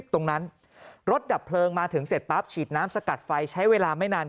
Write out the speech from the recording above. ตรงนั้นรถดับเพลิงมาถึงเสร็จปั๊บฉีดน้ำสกัดไฟใช้เวลาไม่นาน